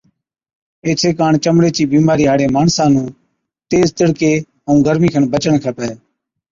ايڇي ڪاڻ چمڙي چِي بِيمارِي هاڙي ماڻسا نُون تيز تِڙڪي ائُون گرمِي کن بَچڻ کپَي